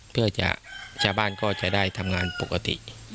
เพื่อชาวบ้านก็จะได้ทำงานปกติ